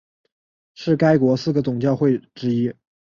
是该国四个总教区之一。